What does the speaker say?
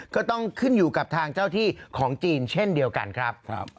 ก็ต้องขึ้นอยู่กับทางเจ้าที่ของจีนเช่นเดียวกันครับ